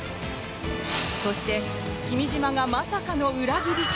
そして君嶋がまさかの裏切り？